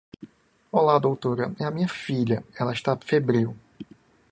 Olá Doutora, é a minha filha, ela está febril.